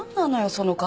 その顔。